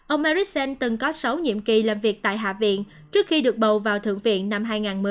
ông marissen từng có sáu nhiệm kỳ làm việc tại hạ viện trước khi được bầu vào thượng viện năm hai nghìn một mươi